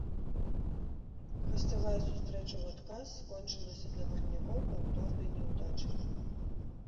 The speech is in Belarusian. Гасцявая сустрэча ў адказ скончылася для гарнякоў паўторнай няўдачай.